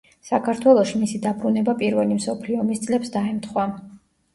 საქართველოში მისი დაბრუნება პირველი მსოფლიო ომის წლებს დაემთხვა.